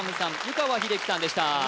湯川秀樹さんでした